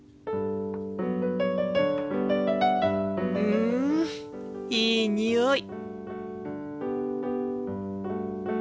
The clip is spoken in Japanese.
うんいいにおい。